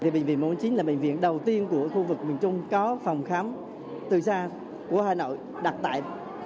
bệnh viện mộng chính là bệnh viện đầu tiên của khu vực bình trung có phòng khám từ xa của hà nội